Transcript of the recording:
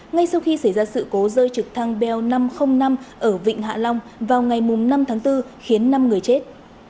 ngay sau khi xảy ra sự cố rơi trực thăng bel năm trăm linh năm ở vịnh hạ long vào ngày năm tháng bốn khiến năm người chết